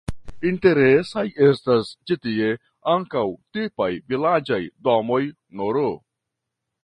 Interesaj estas ĉi tie ankaŭ tipaj vilaĝaj domoj nr.